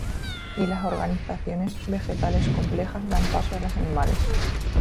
Y las organizaciones vegetales complejas dan paso a las animales.